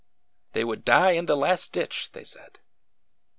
They would die in the last ditch "! they said.